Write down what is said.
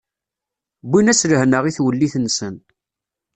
Wwin-as lehna i twellit-nsen.